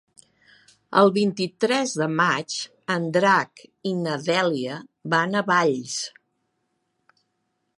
El vint-i-tres de maig en Drac i na Dèlia van a Valls.